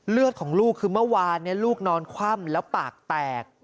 เลือดของลูกคือเมื่อวานลูกนอนคว่ำแล้วปากแตก